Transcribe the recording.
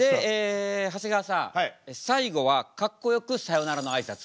長谷川さん最後はかっこよく「さようなら」のあいさつ。